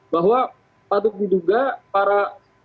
bahwa patut diduga para masyarakat ini